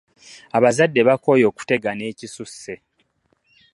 Abazadde bakooye okutegana ekisusse.